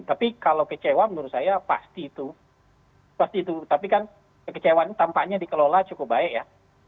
tapi kalau kecewa menurut saya pasti itu pasti itu tapi kan kekecewaan ini tampaknya dikelola cukup baik ya